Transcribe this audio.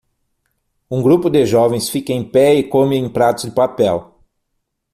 Um grupo de jovens fica em pé e come em pratos de papel.